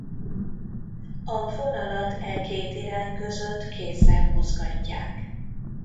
A fonalat e két irány között kézzel mozgatják.